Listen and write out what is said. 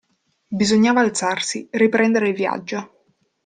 Bisognava alzarsi, riprendere il viaggio.